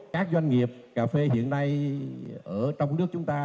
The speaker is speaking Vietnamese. các doanh nghiệp cà phê hiện nay ở trong nước chúng ta